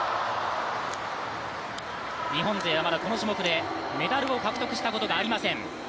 日本勢はまだこの種目でメダルを獲得したことがありません。